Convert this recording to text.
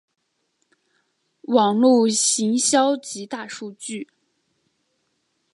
网路行销及大数据